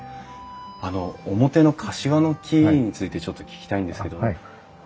あの表のカシワの木についてちょっと聞きたいんですけど。